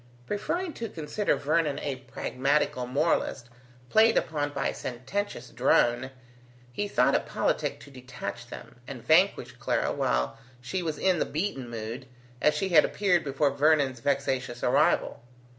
Preferring to consider Vernon a pragmatical moralist played upon by a sententious drone, he thought it politic to detach them, and vanquish Clara while she was in the beaten mood, as she had appeared before Vernon's vexatious arrival.